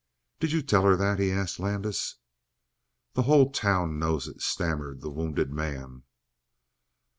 "Did you tell her that?" he asked Landis. "The whole town knows it," stammered the wounded man.